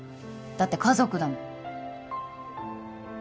だって家族だもん。